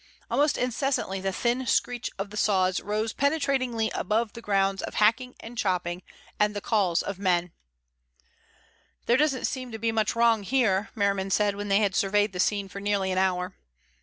Almost incessantly the thin screech of the saws rose penetratingly above the sounds of hacking and chopping and the calls of men. "There doesn't seem to be much wrong here," Merriman said when they had surveyed the scene for nearly an hour.